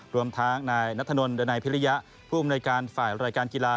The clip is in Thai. รวมทางนายนัทธนลดันไหนภิริยะผู้อุ้มในการฝ่ายรายการกีฬา